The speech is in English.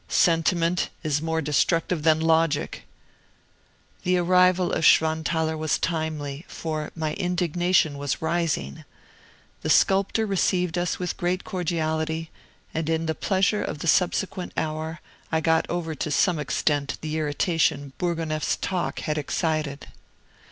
Sentiment is more destructive than logic." The arrival of Schwanthaler was timely, for my indignation was rising. The sculptor received us with great cordiality, and in the pleasure of the subsequent hour I got over to some extent the irritation Bourgonef's talk had excited.